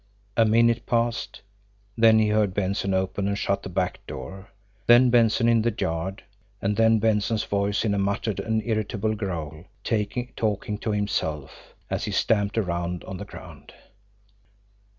A minute passed. Then he heard Benson open and shut the back door; then Benson in the yard; and then Benson's voice in a muttered and irritable growl, talking to himself, as he stamped around on the ground.